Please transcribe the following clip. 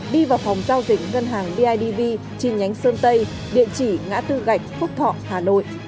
đi vào phòng giao dịch ngân hàng bidv chi nhánh sơn tây địa chỉ ngã tư gạch phúc thọ hà nội